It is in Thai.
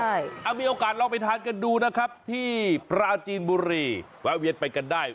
ใช่มีโอกาสลองไปทานกันดูนะครับที่ปราจีนบุรีแวะเวียนไปกันได้